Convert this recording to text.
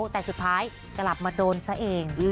แต่สุดท้ายกลับมาโดนซะเอง